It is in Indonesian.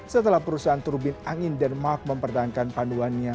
setelah perusahaan turbin angin denmark mempertahankan panduannya